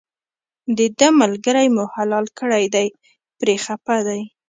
دده ملګری مو حلال کړی دی پرې خپه دی.